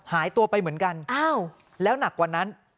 หายตัวไปเหมือนกันแล้วหนักกว่านั้น